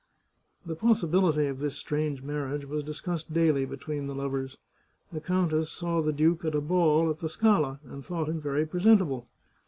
The possibility of this strange marriage was discussed daily between the lovers. The countess saw the duke at a ball at the Scala, and thought him very presentable.